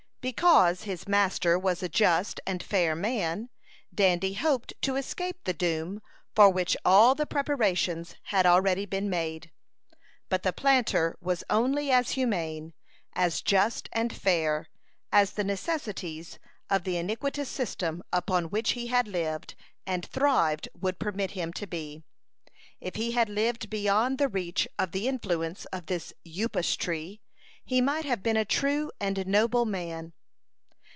Because his master was a just and fair man, Dandy hoped to escape the doom for which all the preparations had already been made; but the planter was only as humane, as just and fair, as the necessities of the iniquitous system upon which he had lived and thrived would permit him to be. If he had lived beyond the reach of the influence of this Upas tree he might have been a true and noble man.